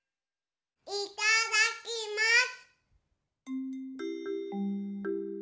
いただきます。